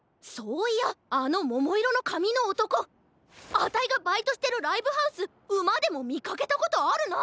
あたいがバイトしてるライブハウスＵＭＡでもみかけたことあるな！